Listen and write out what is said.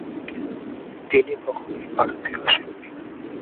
তিনি কখনই ভারতে আসেননি।